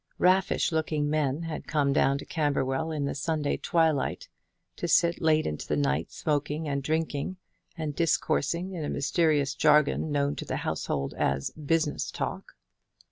Raffish looking men had come down to Camberwell in the Sunday twilight, to sit late into the night smoking and drinking, and discoursing in a mysterious jargon known to the household as "business talk."